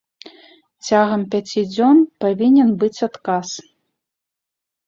Цягам пяці дзён павінен быць адказ.